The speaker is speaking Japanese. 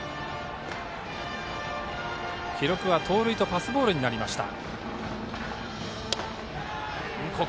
記録は盗塁とパスボールになりました。